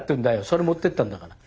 それ持ってったんだから。